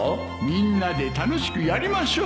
みんなで楽しくやりましょう